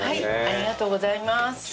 ありがとうございます。